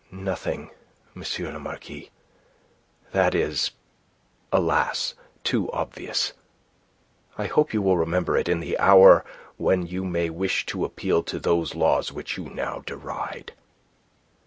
"Nothing, M. le Marquis. That is alas! too obvious. I hope you will remember it in the hour when you may wish to appeal to those laws which you now deride."